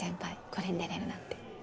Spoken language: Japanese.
これに出れるなんて。